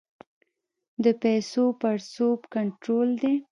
د پیسو پړسوب کنټرول دی؟